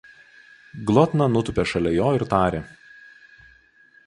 Glotna nutūpė šalia jo ir tarė